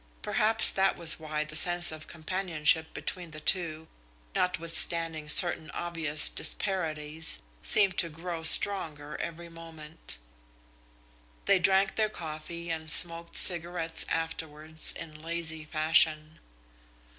Perhaps that was why the sense of companionship between the two, notwithstanding certain obvious disparities, seemed to grow stronger every moment. They drank their coffee and smoked cigarettes afterwards in lazy fashion.